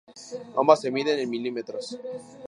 Ambas se miden en milímetros.